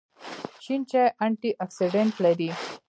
شین چای انټي اکسیډنټ لري